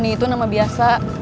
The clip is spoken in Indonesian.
poni itu nama biasa